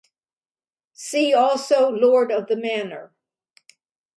See also Lord of the Manor.